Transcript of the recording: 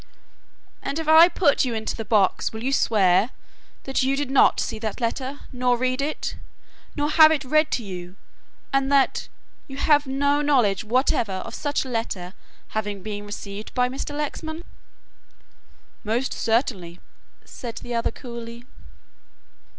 "And if I put you into the box, will you swear, that you did not see that letter, nor read it, nor have it read to you, and that you have no knowledge whatever of such a letter having been received by Mr. Lexman?" "Most certainly," said the other coolly.